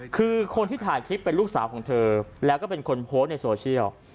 คือคนที่ถ่ายคลิปเป็นลูกสาวของเธอแล้วก็เป็นคนโพสต์ในโซเชียล